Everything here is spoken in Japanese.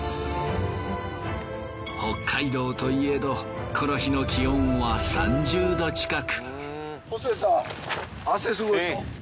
北海道といえどこの日の気温は３０℃近く。